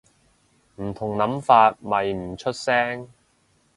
唔同諗法咪唔出聲